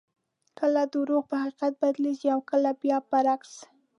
کله درواغ په حقیقت بدلېږي او کله بیا برعکس.